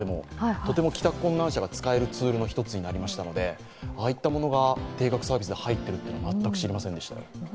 シェア自転車は先日、起きた地震などでも帰宅困難者が使えるツールの一つになりましたので、ああいったものが定額サービスで入っているのは全く知りませんでした。